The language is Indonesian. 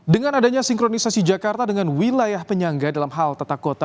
dengan adanya sinkronisasi jakarta dengan wilayah penyangga dalam hal tata kota